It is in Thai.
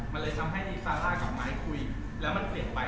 มันเลยทำให้ซาร่ากับไม้คุยแล้วมันเปลี่ยนไป